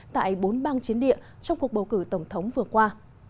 tại bốn bang chiến địa trong cuộc bầu cử tổng thống vừa qua